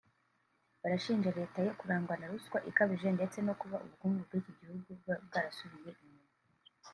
Barashinja leta ye kurangwa na ruswa ikabije ndetse no kuba ubukungu bw’iki gihugu bwarasubiye inyuma